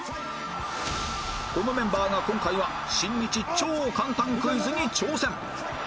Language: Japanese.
このメンバーが今回は新日超簡単クイズに挑戦